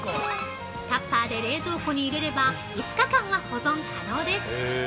タッパーで、冷蔵庫に入れれば５日間は保存可能です。